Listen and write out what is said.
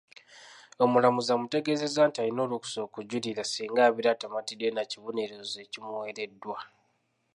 Omulamuzi amutegeezezza nti alina olukusa okujulira singa abeera tamatidde na kibonerezo ekimuweereddwa.